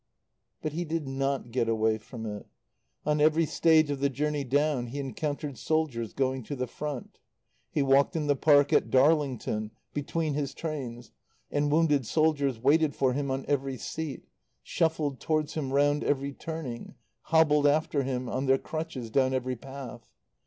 But he did not get away from it. On every stage of the journey down he encountered soldiers going to the Front. He walked in the Park at Darlington between his trains, and wounded soldiers waited for him on every seat, shuffled towards him round every turning, hobbled after him on their crutches down every path.